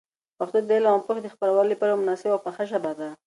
پښتو د علم او پوهي د خپرولو لپاره یوه مناسبه او پخه ژبه ده.